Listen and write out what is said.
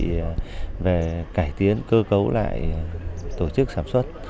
thứ hai là chuẩn bị về cải tiến cơ cấu lại tổ chức sản xuất